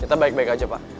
kita baik baik aja pak